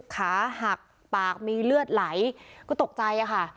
ขาหักปากมีเลือดไหลก็ตกใจค่ะ